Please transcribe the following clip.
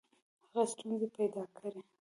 هغه ستونزي پیدا کړې.